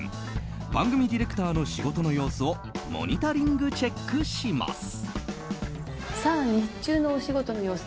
番組ディレクターの仕事の様子をモニタリングチェックします。